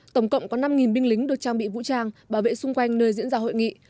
tổng cộng có năm binh lính được trang bị vũ trang bảo vệ xung quanh nơi diễn ra hội nghị